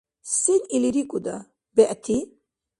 Сен или рикӀуда? БегӀти?